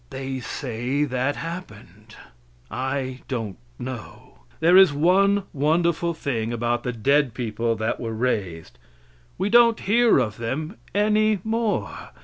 They say that happened. I don't know. There is one wonderful thing about the dead people that were raised we don't hear of them any more.